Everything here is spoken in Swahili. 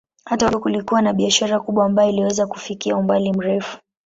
Hata wakati huo kulikuwa na biashara kubwa ambayo iliweza kufikia umbali mrefu.